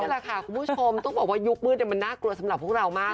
แหละค่ะคุณผู้ชมต้องบอกว่ายุคมืดมันน่ากลัวสำหรับพวกเรามาก